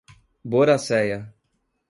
Boraceia